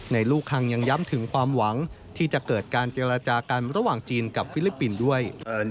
ลูกคังยังย้ำถึงความหวังที่จะเกิดการเจรจากันระหว่างจีนกับฟิลิปปินส์ด้วย